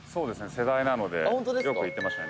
世代なのでよく行ってましたね